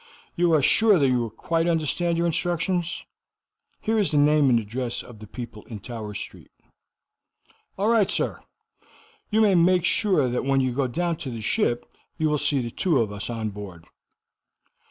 You are sure that you quite understand your instructions? Here is the name and address of the people in Tower Street." "All right, sir. You may make sure that when you go down to the ship you will see the two of us on board."